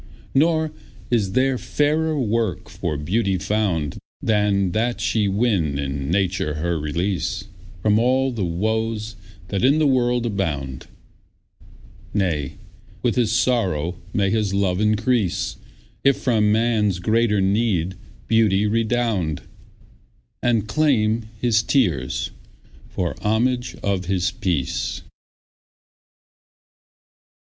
Nor is there fairer work for beauty found Than that she win in nature her release From all the woes that in the world abound; Nay with his sorrow may his love increase, If from man's greater need beauty redound, And claim his tears for homage of his peace.